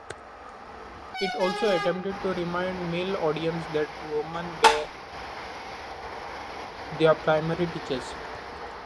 It also attempted to remind male audience that women were their primary teachers.